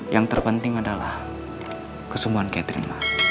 yang terpenting adalah kesembuhan catherine